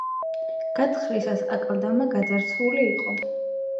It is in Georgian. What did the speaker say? გათხრისას აკლდამა გაძარცვული იყო.